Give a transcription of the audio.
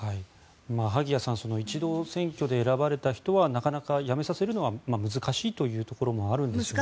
萩谷さん１度選挙で選ばれた人はなかなか辞めさせるのは難しいというところがあるんですね。